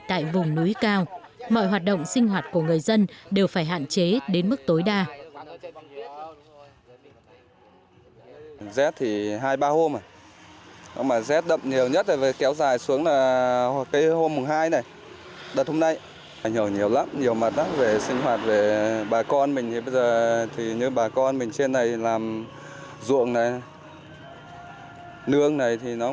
tại vùng núi cao mọi hoạt động sinh hoạt của người dân đều phải hạn chế đến mức tối đa